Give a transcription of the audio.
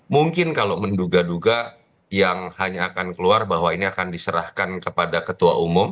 mungkin kalau menduga duga yang hanya akan keluar bahwa ini akan diserahkan kepada ketua umum